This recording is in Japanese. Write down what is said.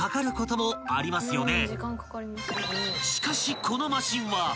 ［しかしこのマシンは］え！